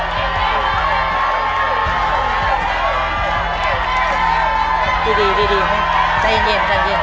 ดีดีดีดีหรอใจเย็นใจเย็น